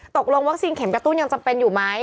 ตกลงวัคซีนเข็มกระตุ้นยังจำเป็นอยู่ไหม